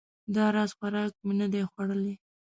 دا راز خوراک مې نه ده خوړلی